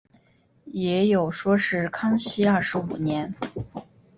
也有说是康熙廿五年。